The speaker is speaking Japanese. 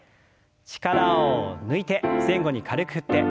力を抜いて前後に軽く振って。